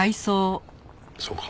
そうか？